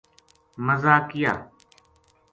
مزا کیا